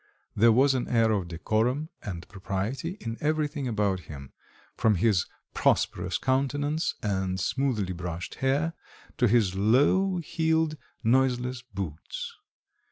There was an air of decorum and propriety in everything about him, from his prosperous countenance and smoothly brushed hair, to his low heeled, noiseless boots.